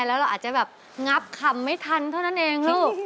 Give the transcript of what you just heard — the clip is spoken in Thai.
แล้วเราอาจจะแบบงับคำไม่ทันเท่านั้นเองลูก